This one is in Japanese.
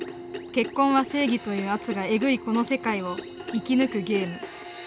「結婚は正義」という圧がエグいこの世界を生き抜くゲーム